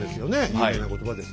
有名な言葉です。